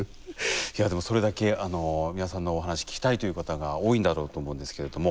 いやでもそれだけ美輪さんのお話聞きたいという方が多いんだろうと思うんですけれども。